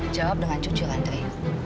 jawab dengan jujur andre